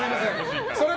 それ。